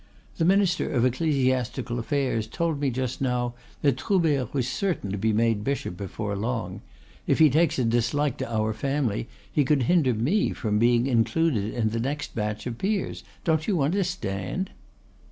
The minister of ecclesiastical affairs told me just now that Troubert was certain to be made bishop before long; if he takes a dislike to our family he could hinder me from being included in the next batch of peers. Don't you understand?"